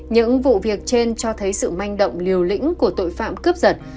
những vụ việc trên cho thấy sự manh động liều lĩnh của tội phạm cướp giật